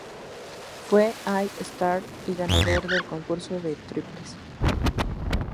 Fue All-Star y ganador del concurso de triples.